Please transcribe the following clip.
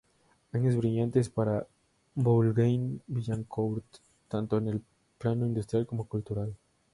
Años brillantes para Boulogne-Billancourt, tanto en el plano industrial como cultural.